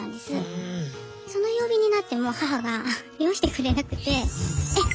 その曜日になっても母が用意してくれなくてえっ